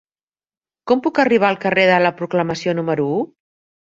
Com puc arribar al carrer de la Proclamació número u?